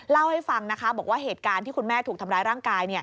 เล่าให้ฟังนะคะบอกว่าเหตุการณ์ที่คุณแม่ถูกทำร้ายร่างกาย